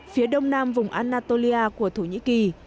phía đông nam vùng anatolia của thổ nhĩ kỳ